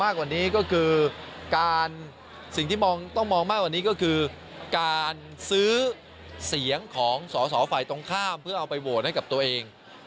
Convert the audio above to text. การซื้อเสียงของสอสอฝ่ายตรงข้ามเพื่อเอาไปโหวตให้กับตัวเอง